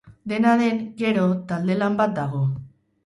Dena den, gero talde-lan bat dago.